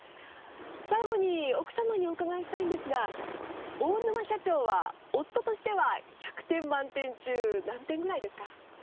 最後に奥様にお伺いしたいんですが大沼社長は夫としては１００点満点中何点ぐらいですか？